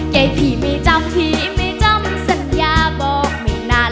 ยายพี่ไม่จำพี่ไม่จำสัญญาบอกไม่นาน